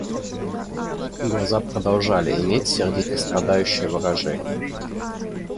Глаза продолжали иметь сердито-страдающее выражение.